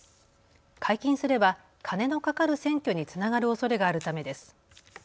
解禁すれば金のかかる選挙につながるおそれがあるためです。